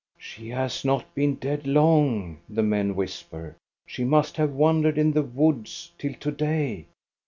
"She has not been dead long," the men whisper. " She must have wandered in the woods till to day.